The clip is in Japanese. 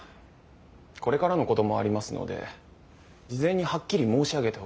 これからのこともありますので事前にはっきり申し上げておきます。